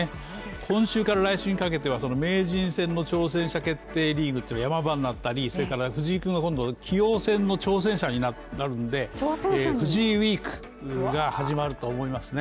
今週から来週にかけては名人戦の挑戦決定リーグというのがヤマ場になったり藤井君が今度棋王戦の挑戦者になるので藤井ウィークが始まると思いますね。